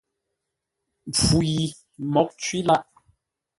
Mpfu yi mǒghʼ cwí lâʼ.